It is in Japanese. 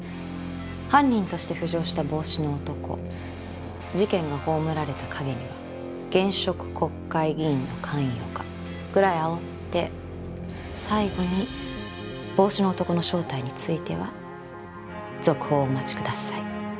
犯人として浮上した帽子の男事件が葬られた陰には現職国会議員の関与がぐらいあおって最後に帽子の男の正体については続報をお待ちください。